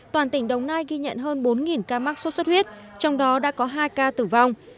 toàn tỉnh đồng nai ghi nhận hơn bốn ca mắc sốt xuất huyết trong đó đã có hai ca tử vong